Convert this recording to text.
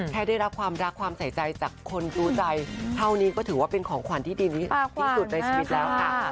ได้รับความรักความใส่ใจจากคนรู้ใจเท่านี้ก็ถือว่าเป็นของขวัญที่ดีที่สุดในชีวิตแล้วค่ะ